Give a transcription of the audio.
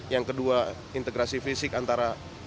yang kedua integrasi fisik antara